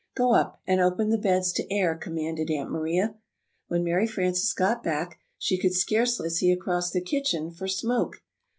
"Go up, and open the beds to air," commanded Aunt Maria. When Mary Frances got back, she could scarcely see across the kitchen for smoke.